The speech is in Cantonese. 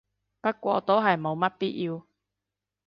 不過都係冇乜必要